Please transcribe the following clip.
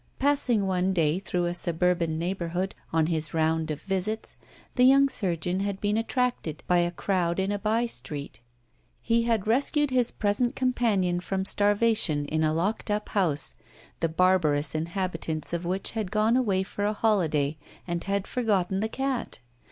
Passing one day through a suburban neighbourhood, on his round of visits, the young surgeon had been attracted by a crowd in a by street. He had rescued his present companion from starvation in a locked up house, the barbarous inhabitants of which had gone away for a holiday, and had forgotten the cat.